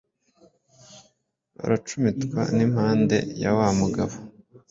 Baracumitwa n'impame ya wa mugabo,